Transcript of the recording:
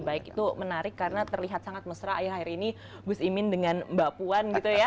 baik itu menarik karena terlihat sangat mesra ya hari ini gus imin dengan mbak puan gitu ya